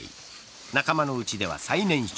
仲間のうちでは最年少。